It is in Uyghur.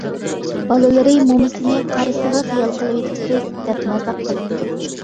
بالىلىرى مومىسىنى «قارىسىغا خىيال قىلىۋېتىپسىز» ، دەپ مازاق قىلىپتۇ.